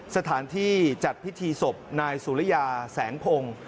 สถานที่จัดพิธีศพนายสุริยาแสงพงศ์